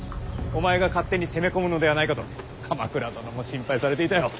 お前が勝手に攻め込むのではないかと鎌倉殿も心配されていたよ。